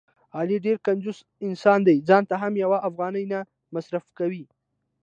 علي ډېر کنجوس انسان دی.ځانته هم یوه افغانۍ نه مصرف کوي.